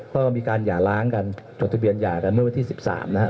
ก็มีการหย่าล้างกันจดทะเบียนหย่ากันเมื่อวันที่๑๓นะครับ